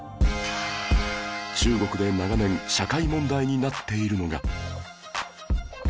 中国で長年社会問題になっているのが